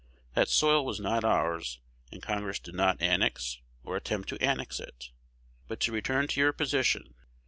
That soil was not ours; and Congress did not annex, or attempt to annex it. But to return to your position.